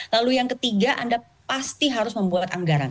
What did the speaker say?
lalu yang ketiga anda pasti harus membuat anggaran